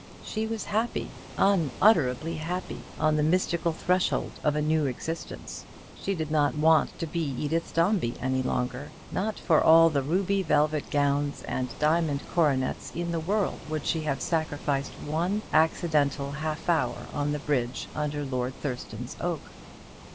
She was happy, unutterably happy, on the mystical threshold of a new existence. She did not want to be Edith Dombey any longer. Not for all the ruby velvet gowns and diamond coronets in the world would she have sacrificed one accidental half hour on the bridge under Lord Thurston's oak.